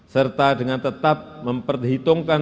serta dengan tetap memperhitungkan